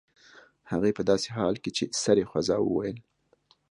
هغې په داسې حال کې چې سر یې خوځاوه وویل